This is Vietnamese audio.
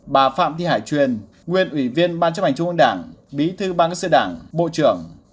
bà phạm thị hải truyền nguyên ủy viên ban chấp hành trung ương đảng bí thư ban sự đảng bộ trưởng